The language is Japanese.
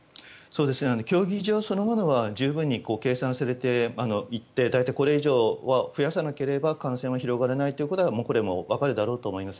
競技場そのものは十分に計算されていて大体、これ以上増やさなければ感染が広がらないということはこれはわかるだろうと思います。